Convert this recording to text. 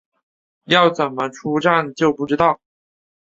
要怎么出站就不知道